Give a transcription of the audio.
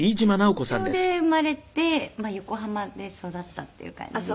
東京で生まれて横浜で育ったっていう感じです。